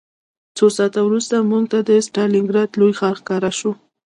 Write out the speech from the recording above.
څو ساعته وروسته موږ ته د ستالینګراډ لوی ښار ښکاره شو